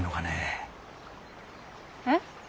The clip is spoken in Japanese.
えっ？